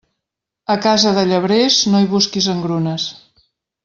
A casa de llebrers, no hi busquis engrunes.